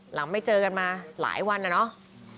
หลังไม่เจอกันมาหลายวันอ่ะเนาะ